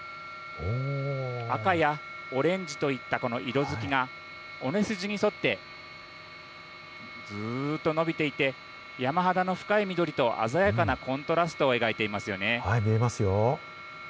赤やオレンジと言った色づきが筋に沿って伸びていて山肌の深い緑と鮮やかなコントラストを描いていますよね。